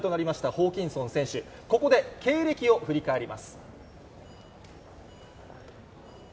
ホーキンソン選手、ここで経歴を振り返ります。